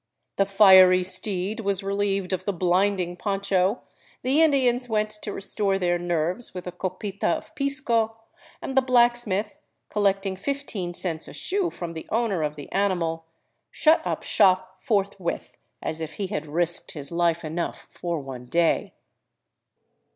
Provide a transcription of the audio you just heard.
The fiery steed was relieved of the blinding poncho, the Indians went to restore their nerves with a copita of pisco, and the blacksmith, col lecting fifteen cents a shoe from the owner of the animal, shut up shop forthwith, as if he had risked his life enough for one day.